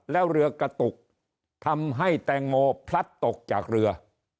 แล้วเรือกระตุกทำให้แตงโมพลัดตกจากเรือ